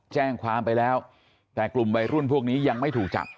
แจ้งความไปแล้วแต่กลุ่มวัยรุ่นพวกนี้ยังไม่ถูกจับ